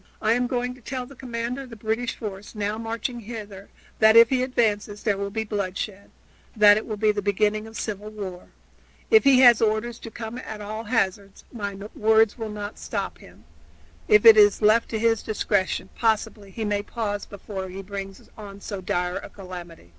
"I am going to tell the commander of the British force, now marching hither, that if he advances there will be bloodshed that it will be the beginning of civil war. If he has orders to come at all hazards, my words will not stop him; if it is left to his discretion, possibly he may pause before he brings on so dire a calamity."